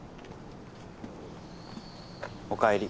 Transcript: おかえり。